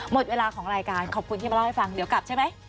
หมดเวลาของรายการขอบคุณที่มาเล่าให้ฟังเดี๋ยวกลับใช่ไหม